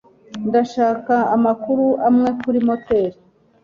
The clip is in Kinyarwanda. Ndashaka amakuru amwe kuri motel.